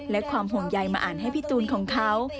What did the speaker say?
และความห่วงใยมาอ่านให้พี่ตูนของเขา